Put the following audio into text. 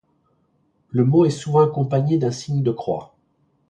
Le mot est souvent accompagné d'un signe de croix.